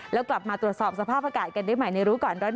แล้วกลับมาตรวจสอบสภาพอากาศกันได้ใหม่ในรู้ก่อนร้อน